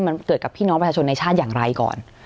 มันเกิดกับพี่น้องประชาชนในชาติอย่างไรก่อน